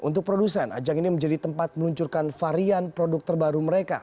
untuk produsen ajang ini menjadi tempat meluncurkan varian produk terbaru mereka